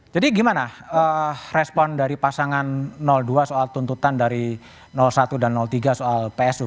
jadi gimana respon dari pasangan dua soal tuntutan dari satu dan tiga soal psu